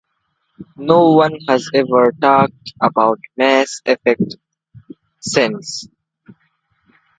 No one has ever talked about Mass Effect since.